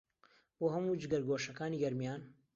بۆ هەموو جگەرگۆشەکانی گەرمیان